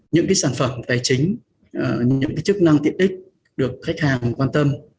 những sản phẩm tài chính những chức năng tiện ích được khách hàng quan tâm